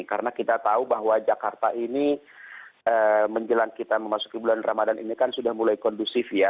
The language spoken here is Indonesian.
karena kita tahu bahwa jakarta ini menjelang kita memasuki bulan ramadan ini kan sudah mulai kondusif ya